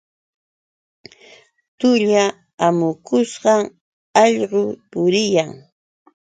Tulla amukushqam allqu puriyan.